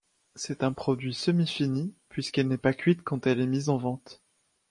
C'est un produit semi-fini puisqu'elle n'est pas cuite quand elle est mise en vente.